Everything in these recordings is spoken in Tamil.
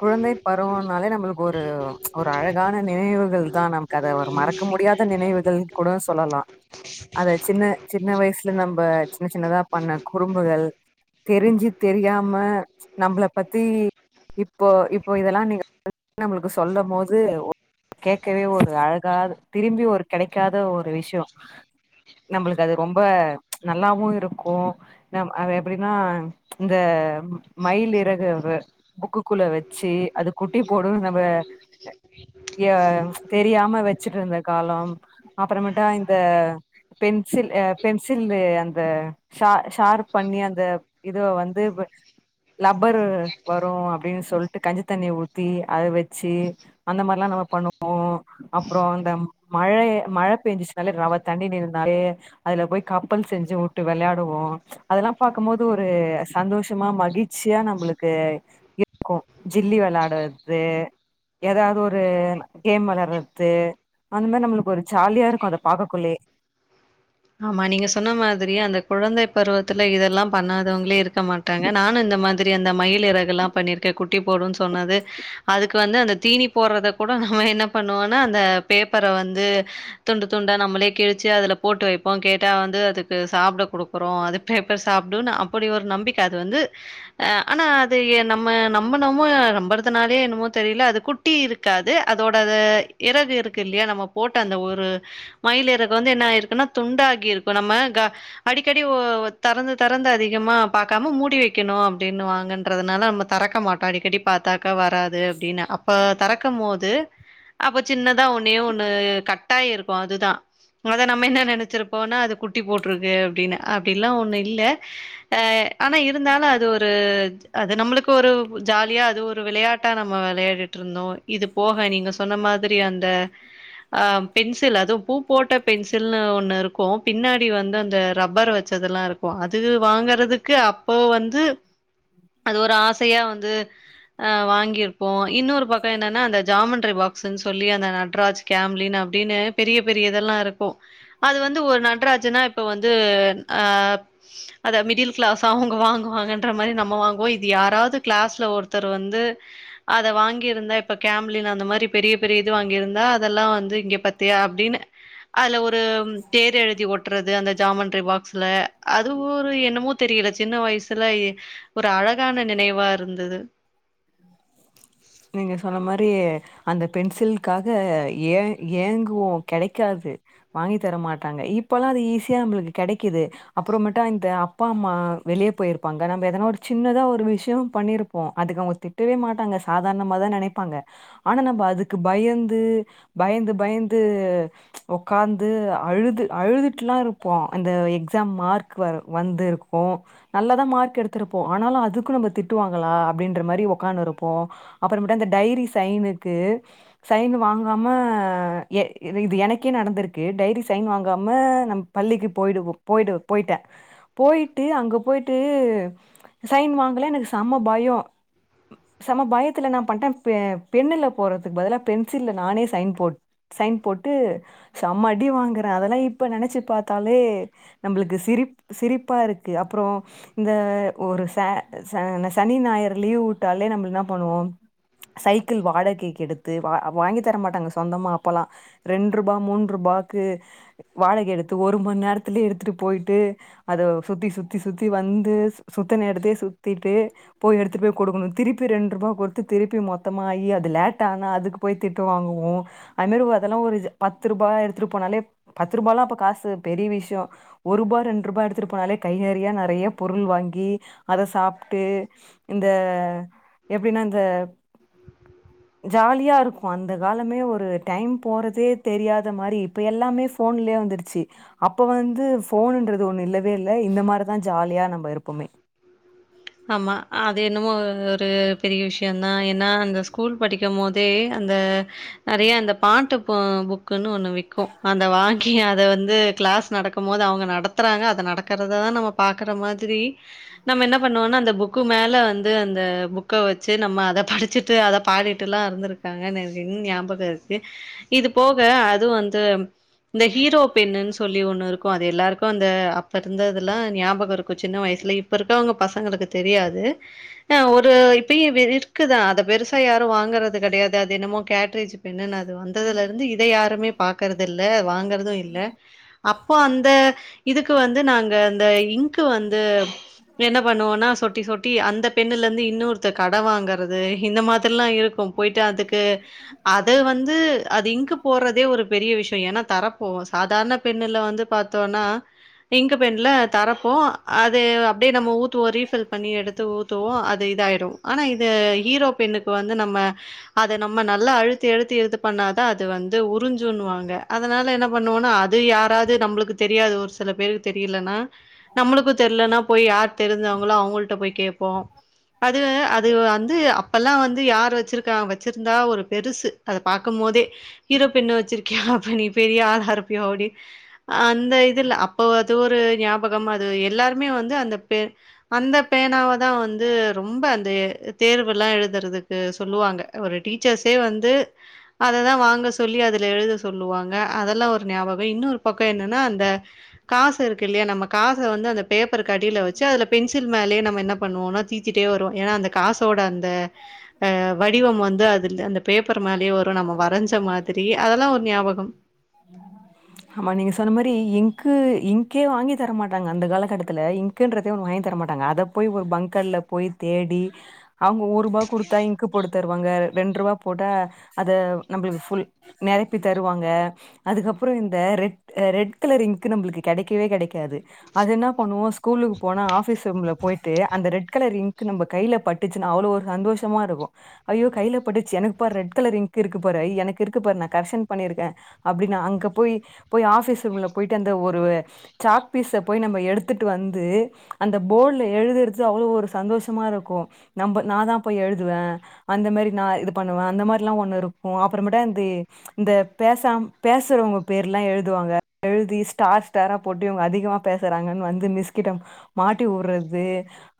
குழந்தை பருவோனாலே நம்மளுக்கு ஒரு ஒரு அழக் கான நினைவுகள் தா நமக்கு அத ஒரு மறக்க முடியாத நினைவுகள் கூட சொல்லலா அத சின்ன சின்ன வயசுல நம்ப சின்ன சின்னதா பண்ண குறும்புகள் தெரிஞ்சு தெரியாம நம்ப்ளபத்தி இப்போ இப்போ இதெல்லா நீ [unintelligible] நம்ளுக்கு சொல்ல போது கேக்கவே ஒரு அழகா திரும்பி ஒரு கெடைக்காத ஒரு விஷ்யோ நம்பளுக்கு அது ரொம்ப நல்லாவு இருக்கு அது எப்டின்னா இந்த மயில் ஏறகு அது புக்கு குள்ள வச்சு அது குட்டி போடுனு நம்ம எ தெரியாம வெச்சுட்ருந்த காலம் அப்றமேட்டா இந்த பென்சில் ஆ பென்சில்லு அந்த ஷா ஷார்ப் பண்ணி அந்த இது வந்து லப்பரு வரு அப்டினு சொல்ட்டு கஞ்சி தண்ணிய ஊத்தி அத வெச்சி அந்த மார்லா நம்ம பண்ணுவோ அப்றோ அந்த மழை மழ பேஞ்சிச்சுனாலே ரவத் தண்ணி நிருந்தாலே அதுல போய் கப்பல் செஞ்சு வுட்டு வெளையாடுவோ அதலாம் பாக்கம்போது ஒரு சந்தோஷமா மகிழ்ச்சியா நம்ளுக்கு க்கு ஜில்லி வெளாடத்தே எதாது ஒரு கேம் வெளாட்றத்தே அந்த மாரி நம்ளுக்கு ஒரு ஜாலியா இருக்கு அதப் பாக்ககுள்ளயே ஆமா நீங்க சொன்ன மாதிரியே அந்தக் குழந்தை பருவத்துல இதெல்லாம் பண்ணாதவங்ளே இருக்க மாட் ட்டாங்க நானு இந்த மாதிரி அந்த மயில் இறகலாம் பண்ணிருக்கே குட்டி போடுன் சொன்னது அதுக்கு வந்து அந்தத் தீனி போறதக் கூட நம்ம என்ன பண்ணுவோனா அந்த பேப்பர வந்து துண்டு துண்டா நம்மளே கிழுச்சி அதுல போட்டு வைப் போ கேட்டா வந்து அதுக்கு சாப்ட குடுக்கறோ அதுப் பேப்பர் சாப்டுனு அப்பிடி ஒரு நம்பிக்க அது வந்து அ ஆனா அது எ நம்ம நம்பனமோ நம்பறதனாலையே என்னமோ தெரில அது குட் ட்டி இருக்காது அதோட அத எறர் இருக்கு இல்லியா நம்ம போட்ட அந்த ஒரு மயிலிறகு வந்து என்ன ஆயிருக்குனா துண்டாகி இருக்கு நம்ம க அடிக்கடி ஒ தெறந்து தெறந்து அதிகமா பாக்காம மூடி வெக்கணு அப்டின்னு வாங்கன்றதனால நம்ம தெறக்க மாட்டோ அடிக்கடி பாத்தாக்கா வராது அப்டினு அப்ப தெறக்கம்மோது அப்ப சின்னதா ஒன்னே ஒன்னு கட்டாயி இருக்கு அதுதா அத நம்ம என்ன நென ச்சிருப்போனா அது குட்டி போட்டிருக்கு அப்டினு அப்டிலா ஒன்னு இல்ல அ ஆனா இருந்தாலு அது ஒரு அது நம்ளுக்கு ஒரு ஜாலியா அது ஒரு விளையாட்டா நம்ம வெளையாடிட்ருந்தோ இதுப் போக நீங்க சொன்ன மாதிரி அந்த ஆ பென்சில் அதும் பூ போட்ட பென்சில்னு ஒன்னு இருக் க்கு பின்னாடி வந்து அந்த ரப்பர் வச்சதெல்லா இருக்கு அது வாங்கறதுக்கு அப்போ வந்து அது ஒரு ஆசையா வந்து அ வாங்கிருப்போ இன்னொருப் பக்கோ என்னனா அந்த ஜாமண்ட்ரி பாக்ஸ்ன் சொல்லி அந்த நட்ராஜ் கேம்லின் அப்டினு பெரிய பெரிய இதெல்லா இருக்கு து ஒரு நடராஜூனா இப்ப வந்து அப் அத மிடில் கிளாஸ் அவுங்க வாங்குவாங்கன் ன்ற மாரி நம்ம வாங்குவோ இது யாராவ்து கிளாஸ்ல ஒருத்தர் வந்து அத வாங்கியிருந்தா இப்ப கேம்லின் அந்த மாரி பெரிய பெரிய இது வாங்கியிருந்தா அதெல்லா வந்து இங்க பத் தியா அப்டினு அதுல ஒரும் எழுதி ஒட்றது அந்த ஜாமண்ட்ரி பாக்ஸ்ல அது ஒரு என்னமோ தெரியல சின்ன வயசல எ ஒரு அழகான நினைவா இருந்தது நீங்க சொன்ன மாரி அந்த பென்சில்காக ஏ ஏங்குவோ கெடைக்காது வாங்கி தர மாட்டாங்க இப்பல்லா அது ஈஸியா நம்ளுக்கு கெடைக்கிது அப்புறமேட்டா இந்த அப்பா அம்மா வெளிய போயிருப்பாங்க நம்ம எதனா ஒரு சின்னதா ஒரு விஷ்யோ பண்ணிருப்போ அதுக்கு அவுங்கத் திட்டவே மாட்டாங்க சாதாரணமாதா நெனைப்பாங்க ஆனா நம்ப அதுக்கு பயந்து பயந்து பயந்து ஒக்காந்து அழுது அழுதுட்லா இருப்போ அந்த எக்ஸாம் மார்க் வர வந்திருக்கோ நல்லாதா மார்க் எடுத்திருப்போ ஆனாலு அதுக்கு நம்ம திட்டுவாங்கலா அப்டின்ற மாரி ஒக்கானுருப்போ அப்பறமேட்டு அந்த டைரி சைனுக்கு சைன்னு வாங்காம எ இது எனக்கே நடந்துருக்கு டைரி சைன் வாங்காம நம் பள்ளிக்கு போய்டுவோ போய்டு போய்ட்டே போயிட்டு அங்க போயிட்டு சைன் வாங்கல எனக்கு செம்ம பயோ செம பயத்துல என்ன பண்ட்ட பெ பெண்ணுல போறதுக்கு பதிலா பென்சில்ல நானே சைன் போட் சைன் போட்டு செம்ம அடி வாங்குறே அதெல்லா இப்ப நெனைச்சு பாத்தாலே நம்பளுக்கு சிரிப் சிரிப்பா இருக்கு அப்பறோ இந்த ஒரு ச ச சனி ஞாயிறு லீவ் வுட்டாலே நம்ள என்னா பண்ணுவோ சைக்கிள் வாடகைக்கு எடுத்து வா வாங்கி தரமாட்டாங்க சொந்தமா அப்பலா ரெண்ருபா மூன்ருபாக்கு வாடக எடுத்து ஒரு மண்நேரத்துலே எடுத்துட்டு போயிட்டு அத சுத்தி சுத்தி சுத்தி வந்து சுத்துன எடத்தயே சுத்தீட்டு போய் எடுத்துட்டு போய் குடுக்கணு திருப்பி ரெண் ருபா குடுத்து திருப்பி மொத்தமாயி அது லேட் ஆனா அதுக்கு போய் திட்டு வாங்குவோ அதுமாரி ஓ அதல்லா ஒரு இது பத்துருபா எடுத்துட்டு போனாலே பத்து ரூபால்லா அப்ப காசு பெரிய விஷ்யோ ஓருபா ரெண்ரூபா எடுத்துட்டு போனாலே கை நெறைய நெறைய பொருள் வாங்கி அத சாப்ட்டு இந்த எப்டின்னா இந்த ஜாலியா இருக்கு அந்த காலமே ஒரு டைம் போறதே தெரியாத மாரி இப்ப எல்லாமே ஃப் ஃபோன்லயே வந்துருச்சி அப்போ வந்து ஃபோனுன்றது ஒண்ணு இல்லவே இல்ல இந்த மார் தா ஜாலியா நம்ப இருப்போமே அமா அது என்னமோ ஒரு பெரிய விஷந்தா ஏன்னா அந்த ஸ் ஸ்கூல் படிக்கும் போதே அந்த நறைய அந்த பாட்டு பு புக் க்குனு ஒண்ணு விக்கு அந்த வாய் கி அத வந்து கிளாஸ் நடக்கும் போது அவங்க நடத்துறாங்க அத நடக்கறததா நம்ம பாக்கற மாதிரி நம்ம என்ன பண்ணுவோன்னா அந்த புக்கு மேல வந்து அந்த புக்க வெச்சு நம்ம அத படிச்சிட்டு அத பாடிட் ட்டுலா இருந்துருக்காங்க நா இன் ஞாபக இருக்கு இது போக அது வந்து இந்த ஹீரோ பென்னுன்னு சொல்லி ஒண்ணு இருக்கு அது எல்லாருக்கு அந்த அப்ப இருந்ததுலா ஞாபகோ இருக்கு சின்ன வய சுலயு இப்ப இருக்கவங்க பசங்களுக்கு தெரியாது அ ஒரு இப்பயு இது இருக்குதா அத பெருசா யாரு வாங்கறது கெடையாது அது என்னமோ கேட்ரேஜ் பென்னுன் அது வந்ததுல இருந்து இத யாருமே பாக்கறது இல்ல வாங்கறதூ இல்ல அப்போ அந்த இதுக்கு வந்து நாங்க அந்த இங்க்கு வந்து என்ன பண்ணுவோன்னா சொட்டி சொட்டி அந்த பென்னுலருந்து இன்னொருத்த கட வாங்கறது இந்த மாதிர்லா இருக்கு போய்ட்டு அதுக்கு அது வந்து அது இங்க்கு போறதே ஒரு பெரிய விஷ்யோ ஏன்னா தரப்போவோ சாதாரண பென்னுல வந்து பாத் த்தோணா இங்க்கு பென்ல தரப்போ அது அப் டே நம்ம ஊத்துவோ ரீஃபில் பண்ணி எடுத்து ஊத்துவோ அது இதாயிறு அனா இது ஹீரோ பென்னுக்கு வந்து நம்ம அத நம்ம நல்லா அழுத்தி அழுத்தி இது பண்ணாதா அது வந்து உருஞ்சுன்னுவாங்க அதனால என்ன பண்ணுவோனா அ து யாராது நம்ளுக்கு தெரியாது ஒரு சில பேருக்கு தெரிலன்னா நம்மளுக்கு தெர்லன் போய் யார் தெரிஞ்சவங்களோ அவங்கள்ட போய் கேப்போ அது அது வந்து அப்பல்லா வந்து யார் வெச்சிருக்கா வெச்சிருந்தா ஒரு பெருசு அத பாக்கும் போதே ஹீரோ பென் வெச்சிருக்கியா அப்ப நீ பெரிய ஆளா இருப்பியோ அப்டி அந்த இதுல அப்ப அது ஒரு ஞாபகம அது எல்லாருமே வந் து அந்த பெ அந்த பேனாவ தா வந் து ரொம்ப அந்த தேர்வெல்லா எழுதுறதுக்கு சொல்லுவாங்க ஒரு டீச்சர்ஸ்சே வந்து அததா வாங்க சொல்லி அதுல எழுத சொல்லுவாங்க அதல்லா ஒரு ஞாபகோ இன்னொரு பக்கோ என்னன்னா அந்த காசு இருக்கில்லயா நம்ம காச வந்து அந்த பேப்பர்க்கு அடீல வெச்சு அதுல பென்சில் மேலயே நம்ம என்ன பண்ணுவோன தீச்சிட்டே வருவோ ஏனா அந்த காசோட அந்த அ வடிவம் வந்து திந்த அந்த பேப்பர் மேலயே வரு நம்ம வரஞ்ச மாத்ரியே அதெல்லா ஒரு ஞாபகம் ஆமா நீங்க சொன்ன மாரி இங்க்கு இங்க்கே வாங்கி தரமாட்டாங்க அந்த காலகட்டத்துல இ ங்க்குன்றதே ஒன்னு வாங்கி தர மாட்டாங்க அத போய் ஒரு பங்கர்ல்ல போய் தேடி அவுங்க ஒருபா குடுத்தா இங்க்கு போட்டு தருவாங்க ரெண்ருவா போட்டா அத நம்பளுக் ஃபுல் நெரப்பி தருவாங்க அதுக்கப்றோ இந்த ரெட் ரெட் கலர் இங்க்கு நம்பளுக்கு கெடைக்கவே கெடைக்காது அது என்னா பண்ணுவோ ஸ்கூலுக்கு போனா ஆபிஸ் ரூம்ல போயிட்டு அந்த ரெட் கலர் இங்க்கு நம்ப கைல பட் டுச்சின்னா அவ்ளோ ஒரு சந்தோஷமா இருக்கு ஐயோ கைல பட்டுச்சி எனுக் பாரு ரெட் கலர் இங்க்கு இருக்கு பாரு ஐ எனுக் இருக்கு பாரு நா கர்ஷன் பண்ணிருக்கே அப்டின் அங்க போய் போய் ஆபிஸ் ரூம்ல போயிட்டு அந்த ஒரு சாக்பீஸ போய் நம்ம எடுத்துட்டு வந்து அந்த போட்ல எழுதுறது அவ்ளோ ஒரு சந்தோஷமா இருக்கு நம்ப நாதா போய் எழுதுவே அந்த மாரி நா இது பண்ணுவே அந்த மாரில்லா ஒன்னு இருக்கு அப்புறமட்டு அந்தே இந்த பேசாம் பேசறவங்க பேர்லா எழுதுவாங்க எழுதி ஸ்டார் ஸ்டாரா போட்டு அவங்க அதிகமா பேசுறாங்கன்னு வந்து மிஸ்கிட்ட மாட்டிவுட்றது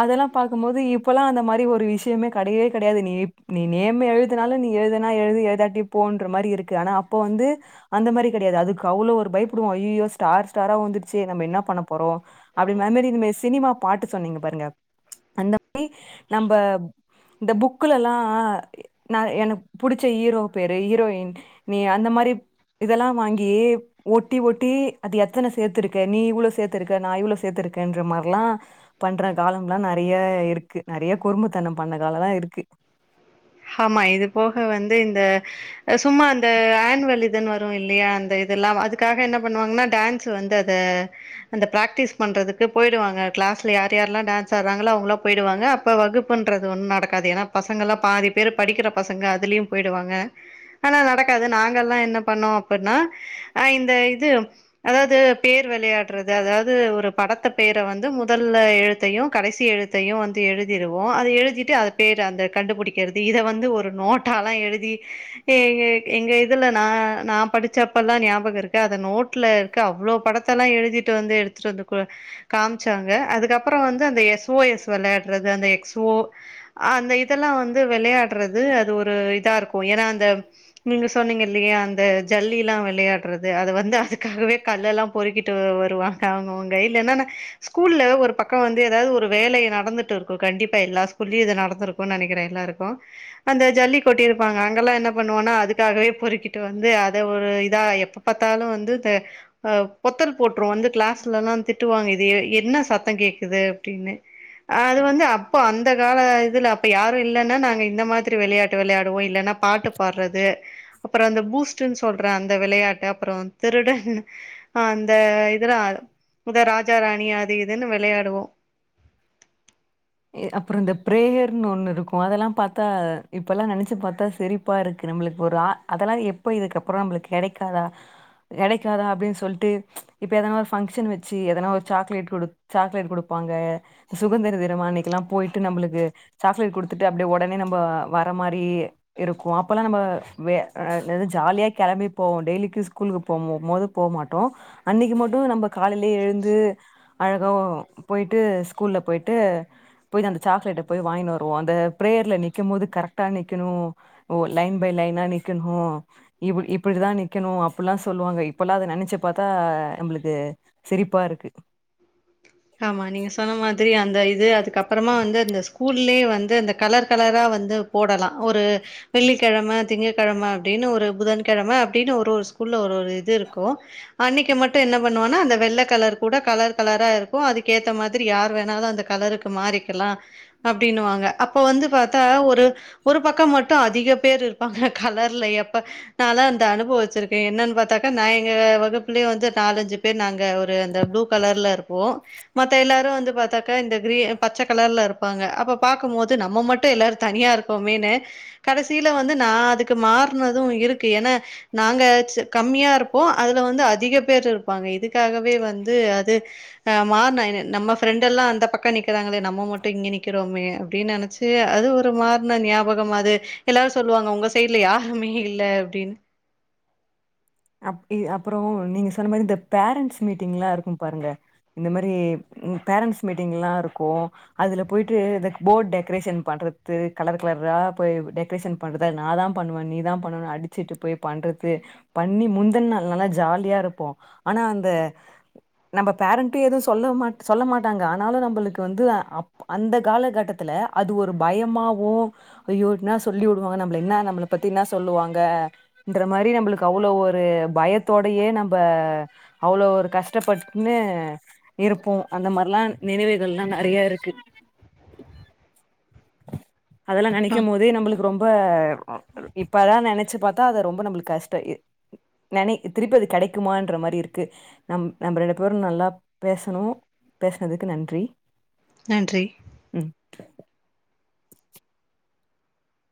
அதெல்லா பாக்கும்போது இப்பல்லா அந்த மாரி ஒரு விஷ்யமே கடையவே கடையாது நீ நீ நேர்மயாவே த்துனால நீ எழுதுனா எழுது எழுதாட்டி போன்ற மாரியிருக்கு ஆனா அப்ப வந்து அந்த மாரி கெடையாது அதுக்கு அவ்ளோ ஒரு பய்ப்படுவோ அய்யையோ ஸ்டார் ஸ்டாரா வந்துருச்சி நம்ம என்ன பண்ண போறோ அப்டி [unintelligible] இந்மேரி சினிமா பாட்டு சொன்னீங்க பாருங்க அந்த மாரி நம்ப இந்த புக்குல எல்லா நா எனுக் புடிச்ச ஹீரோ பேரு ஹீரோயின் நீ அந்த மாரி இதெல்லா வாங்கி ஒட்டி ஒட்டி அது எத்தன சேத்துருக்கே நீ இவ்ளோ சேத்திருக்க நா இவ்ளோ சேத்துக்கேன்ற மார்லா பண்ற காலம்லா நெறையா இருக்கு நெறைய குறும்புத்தனம் பண்ண காலல்லா இருக்கு ஆமா இது போக வந்து இந்த சும்மா இந்த ஏன்வலு இதுன் வரு இல்லையா அந்த இதெல்லா அதுக்காக என்ன பண்ணுவாங்கன்னா டான்ஸ்சு வந்து அத அந்த பிராக்டிஸ் பண்றதுக்கு போயிடுவாங்க க்ளாஸ்ல யார் யார்ல்லா டான்ஸ் ஆட்றாங்ளோ அவுங்ளா போய்டுவாங்க அப்ப வகுப்புன்றது ஒன்னு நடக்காது ஏனா பசங்கல்லா பாதி பேரு படிக்கிற பசங்க அதுலியும் போய்டுவாங்க ஆனா நடக்காது நாங்கல்லா என்ன பண்ணோ அப்பன்னா அ இந்த இது அதாவ்து பேர் வெளையாட்றது அதாவ்து ஒரு படத்த பெயர வந்து முதல்ல எழுத்தையு கடைசி எழுத்தையு வந்து எழுதிருவோ அது எழுதிட்டு அ பேர் அந்த கண்டுபுடிக்கறது இத வந்து ஒரு நோ ட்டால எழுதி எ எங்க இதுல நா நா படிச்சப்பல்லா ஞாபகயிருக் கு அது நோட்ல இருக்க அவ்ளோ படத்தல்லா எழுதிட்டு வந்து எடுத்துட்டு வந்து கு காம்ச்சாங்க அதுக்கப்றோ வந்து அந்த எஸ் ஓ எஸ் வெளாட்றது அந்த எக்ஸ் ஓ அந்த இதெல்லா வ ந்து வெளையாட்றது அது ஒரு இதா இருக்கு ஏனா அந்த நீங்க சொன்னீங்கல்லையா அந்த ஜல்லிலா வெளையாட்றது அத வந்து அதுக்காகவே கல்லெல்லா பொறிக்கிட்டு வ வருவாங்க அவுங்கவுங் கைலன்னா ஸ்கூல்ல ஒரு பக்க வந்து எதாவ்து ஒரு வேலை நடந்துட்டு இருக்கு கண்டிப்பா எல்லா ஸ்கூல்லயு அது நடந்திருக்கு நெனைக்கிறே எல்லாரு க்கு அந்த ஜல்லி கொட்டி இருப்பாங்க அங்கெல்லா என்ன பண்ணுவோனா அதுக்காகவே பொறுக்கி ட்டு வந்து அத ஒரு இதா எப்ப பாத்தாலு வந்து இத அ பொத்தல் போட்ரு வந்து க்ளாஸ் லல்லா திட்டுவாங்க இது எ என்ன சத் தங் கேக்குது அப்டின்னு அது வந்து அப்ப அந்த கால இதுல அப்ப யாரு இல்ல இன்ன நாங்க இந்த மாத்ரி வெளையாட்டு வெளையாடுவோ இல்லன்னா பாட்டு பாட்றது அப்பறொ அந்த பூஸ்டுன் சொல்ற அந்த வெளையாட்டு அப்பறொ திருடன் ஆ அந்த இதலா இந்த ராஜ ராணி அது இதுன்னு வெளையாடுவோ அப்பறொ இந்த பிரேயர்னு ஒன்னு ருக்கு அதெல்லா பாத்தா இப்பல்லா நெனைச்சு பாத்தா செரி ப்பா ருக்கு நம்பளுக்கு ஒரு அதெல்லாம் எப்ப இதுக்கப்பறம் நம்மளுக்கு கெடைக்காதா கெடைக்காதா அப்டின் சொல்ட்டு இப்போ எதனா ஒரு ஃபங்க்ஷன் வச்சு எதனா ஒரு சாக்லேட் கொடுத் சாக்லேட் கொடுப்பாங்க சுகந்திர தினம் அன்னைக்கெலாம் போயிட்டு நம்மளுக்கு சாக்லேட் கொடுத்துட்டு அப்டியே உடனே நம்ம வர மாரி இருக்கு அப்பல்லா நம்ம வெ அ என்னது ஜாலியா கெளம்பி போவோ டெய்லிக்கு ஸ்கூலுக்கு போமும் போது போம்மாட்டோ அன்னைக்கு மட்டு நம்ம காலையிலயே எழுந்து அழகா போய்டு ஸ்கூல்ல போய்ட்டு போய் அந்த சாக்லேட்ட போய் வாங்கினு வருவோ அந்த பிரேயர்ல நிக்கு போது கரெட்டா நிக்கணு ஓ லைன் பை லைனா நிக்கணு இ இப்படிதா நிக்கணு அப்டில்லா சொல்லுவாங்க இப்பலா அத நெனச்சி பாத்தா நம்மளுக்கு சிரிப்பா ருக்கு ஆமா நீங்க சொன்ன மாத்ரி அந்த இது அதுக்கப்பறமா வந்து இந்த ஸ்கூல்லயே வந்து அந்த கலர் கலரா வந்து போடலா ஒரு வெள்ளிக்கெழம திங்க கெழம அப்படின்னு ஒரு புதன்கெழம அப்படின்னு ஒரு ஒரு ஸ்கூல்ல ஒரு ஒரு இது இருக்கு அன்னக்கு மட்டு என்ன பண்ணுவோனா அந்த வெள்ள கலர் கூட கலர் கலரா கும் அதுக்கேத்த மாத்ரி யார் வேணாலு அந்த கலருக்கு மாறிக்கலா அப்டின்னுவாங்க அப்ப வந்து பாத்தா ஒரு ஒரு பக்க மட்டு அதிக பேர் இருப்பாங்க கலர்ல எப்ப நா லா இந்த அனுபவச்சிருக்கெ என்னன்னு பாத்தாக்கா நா எங்க வகுப்புலயே வந்து நாலஞ்சு பேர் நாங்க ஒரு ஒரு அந்த ப்ளூ கலர்ல இருப்போ மத்த எல்லாரு வந்து பாத்தாக்கா இந்த கிரீ பச்ச கலர்ல இருப்பாங்க அப்ப பாக்கும்போது நம்ம மட்டு எல்லாரு தனியா ப்பமேனு கடசீல வந்து நா அதுக்கு மாற்னது இருக்கு ஏன்னா நாங்க கம்மியா இருப்போ அதுல வந்து அதிக பேர் இருப்பாங்க இதுக்காகவே வந்து அது மாற்ன நம்ம ஃப்ரெண்டெல்லா அந்த பக்க நிக்றாங்களே நம்ம மட்டு இங்க நிக்கிறோமே அப்டின்னு நெனச்சு சரி அது ஒரு மார்ன ஞாபகம் அது எல்லாரு சொல்லுவாங்க உங்க சைடல யாருமே இல்ல அப்டின்னு அப்டி அப்பறொ நீங்க சொன்ன மாரி இந்த பேரண்ட்ஸ் மீட்டிங்லா இருக்கும் பாருங்க இந்த மாரி பேரண்ட்ஸ் மீட்டிங்லா இருக்கு அதுல போயிட்டு இந்த போர்ட் டெக்கரேஷன் பண்றது கலர் கலரா போய் பரேஷன் பண்றத நா தா பண்ணுவெ நீ தா பண்ணனு அடிச்சுட்டு போய் பண்றது பண்ணி முந்தின் நாள் நல்லா ஜாலியா இருப்போ ஆனா அந்த நம்ம பேரண்ட்டு எதுவு சொல்ல மாட் சொல்ல மாட்டாங்க ஆனாலு நம்மளுக்கு வந்து அப் அந்த காலகட்டத்துல அது ஒரு பயமாவோ ஐயோ என்ன சொல்லி வுடுவாங்க நம்ம என்ன நம்மல பத்தினா சொல்லுவாங்க ன்ற மாரி நம்மளுக்கு அவ்வளவு ஒரு பயத்தோடையே நம்ப அவ்ளோ ஒரு கஷ்டப்பட்டுன்னு இருப்போ அந்த மார்லா நினைவுகல்லா நெறைய இருக்கு அதெல்லா ஆ நெனைக்கும் போதே நம்மளுக்கு ரொம்ப இப்பதா நெனச்சு பாத்தா அத ரொம்ப நம்மளுக் கஷ்ட த இ நெனை திருப்பி அது கெடக்குமான்ற மாரி இருக்கு நம் நம்ம ரெண்டு பேரும் நல்லா பேசனோ பேஸ்னதுக்கு நன்றி நன்றி ம்